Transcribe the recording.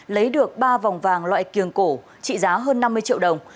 lấy được ba vòng vàng loại kiềng cổ trị giá hơn năm mươi triệu đồng